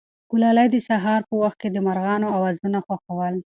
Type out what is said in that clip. ګلالۍ د سهار په وخت کې د مرغانو اوازونه خوښول.